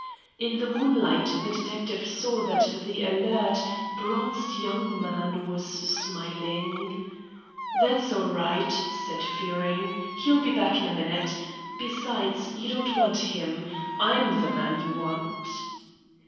In the moonlight the detective saw that the alert, bronzed young man was smiling. "That's all right," said Fearing. "He'll be back in a minute. Besides, you don't want him. I'm the man you want."